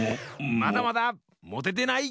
まだまだ！もててない！